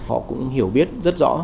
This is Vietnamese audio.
họ cũng hiểu biết rất rõ